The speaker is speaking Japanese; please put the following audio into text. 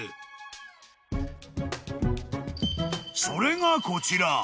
［それがこちら］